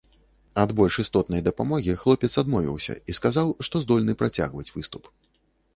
Ад больш істотнай дапамогі хлопец адмовіўся і сказаў, што здольны працягваць выступ.